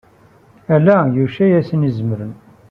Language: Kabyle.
Ala Yuc ay asen-izemren.